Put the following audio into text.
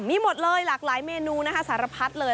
มีหมดเลยหลากหลายเมนูนะคะสารพัดเลย